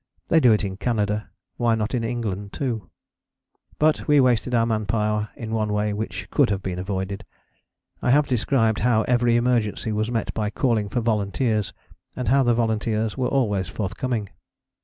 They do it in Canada: why not in England too? But we wasted our man power in one way which could have been avoided. I have described how every emergency was met by calling for volunteers, and how the volunteers were always forthcoming.